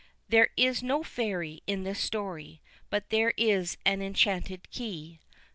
There is no fairy in this story, but there is an enchanted key.